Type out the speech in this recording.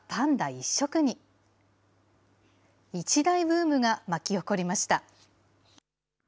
一大ブームが巻き起こりました。